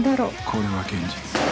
これは現実。